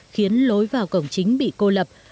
khiến lối vào cổng chính bị cô lập